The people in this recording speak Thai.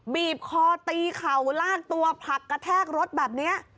บีบคอตีเข่าลากตัวผลักกระแทกรถแบบนี้